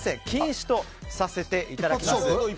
禁止とさせていただきます。